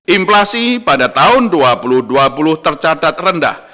inflasi pada tahun dua ribu dua puluh tercatat rendah